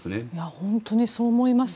本当にそう思います。